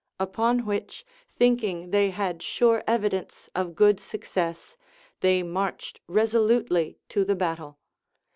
Upon which, thinking they had sure evidence of good success, they marched reso lutely to the battle.